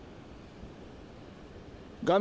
画面